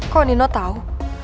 kok nino tau